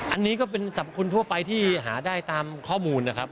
อันนี้ก็เป็นสรรพคุณทั่วไปที่หาได้ตามข้อมูลนะครับ